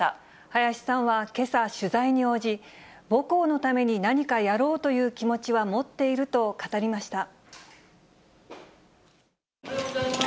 林さんはけさ、取材に応じ、母校のために何かやろうという気持ちは持っていると語りました。